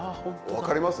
分かります？